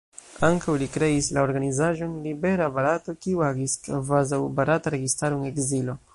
Ankaŭ li kreis la organizaĵon Libera Barato, kiu agis kvazaŭ barata registaro en ekzilo.